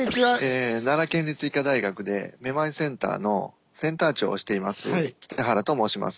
奈良県立医科大学でめまいセンターのセンター長をしています北原と申します。